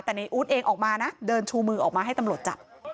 แต่ในอู๊ดเองออกมานะเดินชูมือออกมาให้ตำรวจจับ